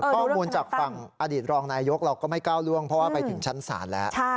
ข้อมูลจากฝั่งอดีตรองนายยกเราก็ไม่ก้าวล่วงเพราะว่าไปถึงชั้นศาลแล้ว